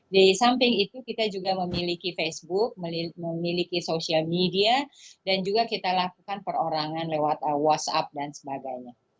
di samping itu kita juga memiliki facebook memiliki social media dan juga kita lakukan perorangan lewat whatsapp dan sebagainya